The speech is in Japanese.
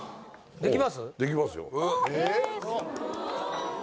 できますよ